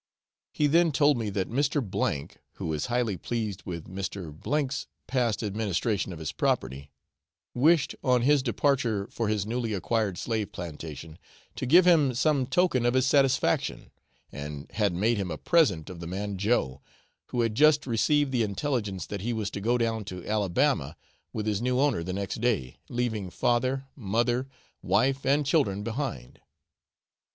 He then told me that Mr. , who is highly pleased with Mr. K 's past administration of his property, wished, on his departure for his newly acquired slave plantation, to give him some token of his satisfaction, and had made him a present of the man Joe, who had just received the intelligence that he was to go down to Alabama with his new owner the next day, leaving father, mother, wife, and children behind.